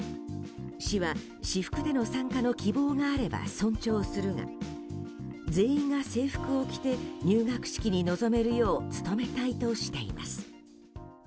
市は私服での参加の希望があれば尊重するが全員が制服を着て入学式に臨めるよう努めたいとしています。